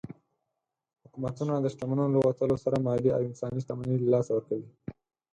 حکومتونه د شتمنو له وتلو سره مالي او انساني شتمني له لاسه ورکوي.